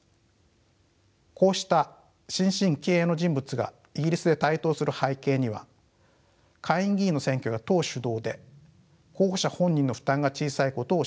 こうした新進気鋭の人物がイギリスで台頭する背景には下院議員の選挙が党主導で候補者本人の負担が小さいことを指摘できます。